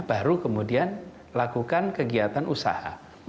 baru kemudian lakukan kegiatan usaha